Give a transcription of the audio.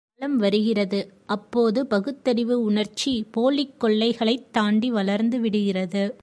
ஒரு காலம் வருகிறது அப்போது பகுத்தறிவு உணர்ச்சி போலிக் கொள்கைகளைத் தாண்டி வளர்ந்து விடுகிறது.